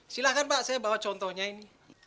silahkan pak saya bawa contohnya ini